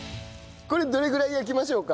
これどれぐらい焼きましょうか？